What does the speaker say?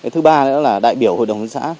thứ ba là đại biểu hội đồng xã